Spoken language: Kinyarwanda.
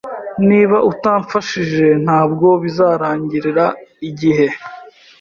Niba utamfashije, ntabwo bizarangirira igihe